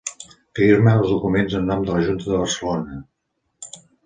Firma els documents en nom de la Junta de Barcelona.